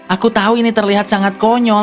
aku tahu ini terlihat sangat konyol